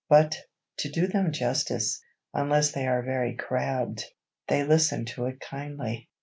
But, to do them justice, unless they are very crabbed, they listen to it kindly.